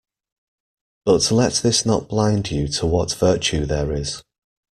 But let this not blind you to what virtue there is